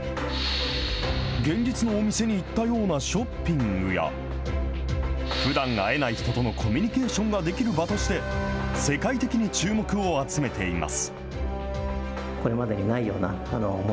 現実のお店に行ったようなショッピングや、ふだん会えない人とのコミュニケーションができる場として、世界的に注目を集めています。